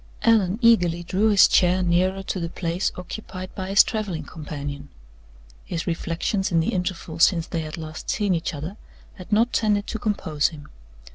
Allan eagerly drew his chair nearer to the place occupied by his traveling companion. His reflections in the interval since they had last seen each other had not tended to compose him.